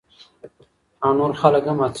او نور خلک هم هڅوي.